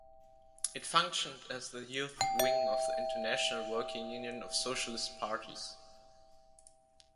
It functioned as the youth wing of the International Working Union of Socialist Parties.